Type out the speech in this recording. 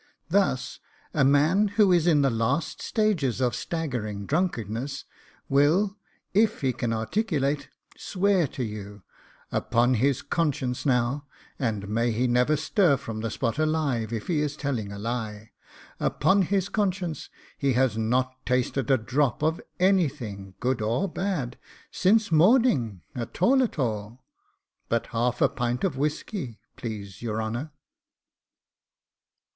Thus a man who is in the last stage of staggering drunkenness will, if he can articulate, swear to you 'Upon his conscience now, and may he never stir from the spot alive if he is telling a lie, upon his conscience he has not tasted a drop of anything, good or bad, since morning at all at all, but half a pint of whisky, please your honour.